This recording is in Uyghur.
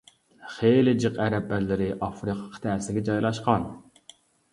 خېلى جىق ئەرەب ئەللىرى ئافرىقا قىتئەسىگە جايلاشقان.